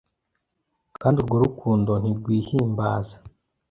kandi urwo rukundo ntirwihimbaza